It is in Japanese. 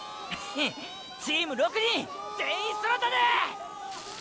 チーム６人全員揃ったで！